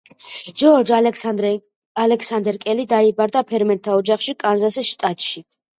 ჯორჯ ალექსანდერ კელი დაიბადა ფერმერთა ოჯახში, კანზასის შტატში.